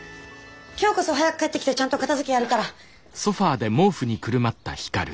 今日こそ早く帰ってきてちゃんと片づけやるから。